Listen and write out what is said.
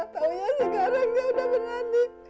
taunya sekarang udah berani